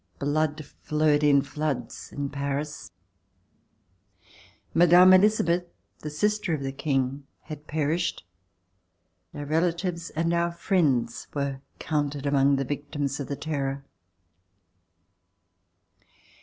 Blood flowed in floods at Paris. Mme. Elisabeth, the sister of the King, had perished; our relatives, and our friends were counted among the victims of the Terror.